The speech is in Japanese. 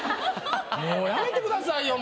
もうやめてくださいよ